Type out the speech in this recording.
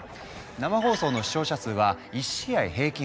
生放送の視聴者数は１試合平均